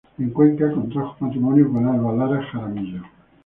En Cuenca contrajo matrimonio con Alba Lara Jaramillo.